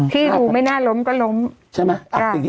ที่ดูไม่น่าล้มก็ล้มใช่ไหม